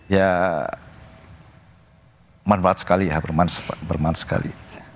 ya bermanfaat sekali ya bermanfaat sekali